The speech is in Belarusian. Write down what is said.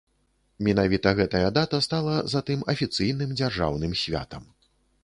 Менавіта гэтая дата стала затым афіцыйным дзяржаўным святам.